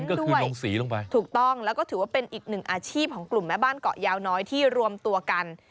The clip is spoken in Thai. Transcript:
ก็คือลงสีลงไปถูกต้องแล้วก็ถือว่าเป็นอีกหนึ่งอาชีพของกลุ่มแม่บ้านเกาะยาวน้อยที่รวมตัวกัน